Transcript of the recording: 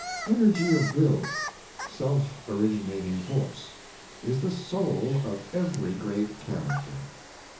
Energy of will — self originating force — is the soul of every great character.